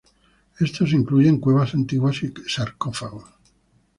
Estos incluyen cuevas antiguas y sarcófagos.